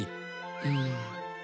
うん。